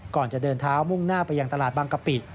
ก่อนจะเดินเท้ามุ่งหน้าไปยังตลาดบางกะปิ